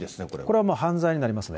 これはもう犯罪になりますね。